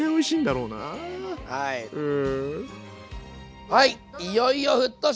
うん。